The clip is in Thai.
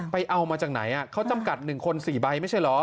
ไปเอามาจากไหนเขาจำกัด๑คน๔ใบไม่ใช่เหรอ